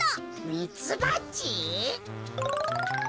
ミツバチ？